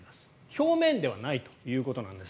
表面ではないということです。